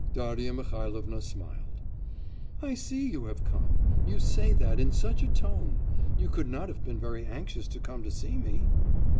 Darya Mihailovna smiled. 'I see you have come. You say that in such a tone.... You could not have been very anxious to come to see me.